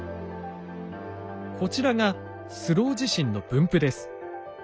こちらがスロー地震の分布です。